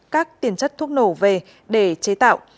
các tiền chất thuốc nổ về để chế tạo